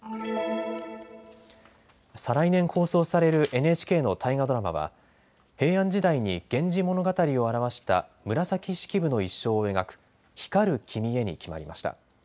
再来年、放送されるＮＨＫの大河ドラマは平安時代に源氏物語を著した紫式部の一生を描く光る君へに決まりました。